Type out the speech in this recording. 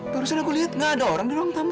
barusan aku lihat gak ada orang di ruang tamu